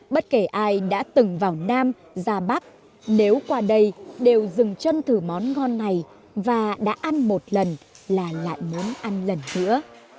bất kể ai đã từng vào nam ra bắc nếu qua đây đều dừng chân thử món ngon này và đã ăn một lần là lại muốn ăn lần nữa